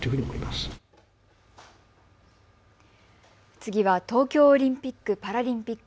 次は東京オリンピック・パラリンピック。